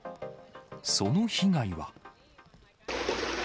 その被害は。